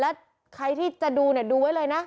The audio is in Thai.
แล้วใครที่จะดูเนี่ยดูไว้เลยนะ